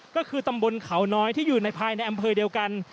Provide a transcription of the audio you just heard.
ก็คือตำบลเขาน้อยที่อยู่ภายในอำเภอเดียวกัน